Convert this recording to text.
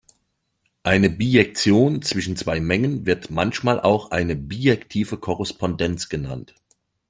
Eine Bijektion zwischen zwei Mengen wird manchmal auch eine bijektive Korrespondenz genannt.